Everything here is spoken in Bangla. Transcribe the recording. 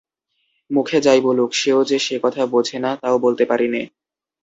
মুখে যাই বলুক সেও যে সে কথা বোঝে না তাও বলতে পারি নে।